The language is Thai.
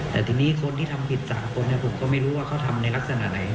แต่ทีนี้คนที่ทำผิด๓คนผมก็ไม่รู้ว่าเขาทำในลักษณะไหน